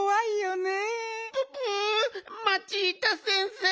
ププマチータ先生